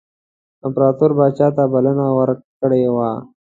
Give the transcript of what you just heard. امپراطور پاچا ته بلنه ورکړې وه.